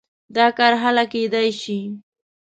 دا کار هله کېدای شي.